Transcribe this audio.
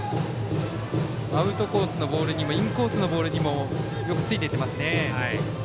アウトコースのボールにもインコースのボールにもよくついていってますね。